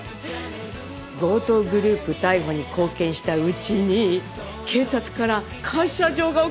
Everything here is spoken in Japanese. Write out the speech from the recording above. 強盗グループ逮捕に貢献したうちに警察から感謝状が贈られるって！